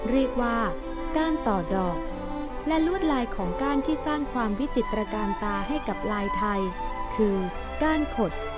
เรียกว่าก้านต่อดอกและลวดลายของก้านที่สร้างความวิจิตรการตาให้กับลายไทยคือก้านขด